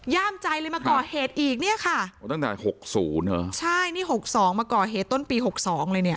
ใจเลยมาก่อเหตุอีกเนี่ยค่ะโอ้ตั้งแต่หกศูนย์เหรอใช่นี่หกสองมาก่อเหตุต้นปีหกสองเลยเนี่ย